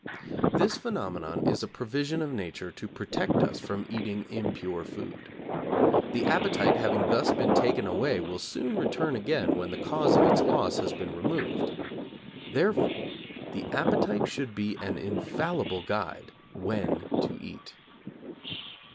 This phenomenon is a provision of Nature to protect us from eating impure food. The appetite having thus been taken away will soon return again when the cause of its loss has been removed. Therefore the appetite should be an infallible guide when to eat.